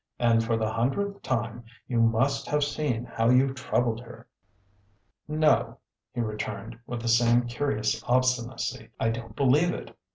"And, for the hundredth time, you must have seen how you troubled her." "No," he returned, with the same curious obstinacy, "I don't believe it.